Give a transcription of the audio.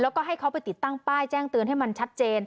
แล้วก็ให้เขาไปติดตั้งป้ายแจ้งเตือนให้มันชัดเจน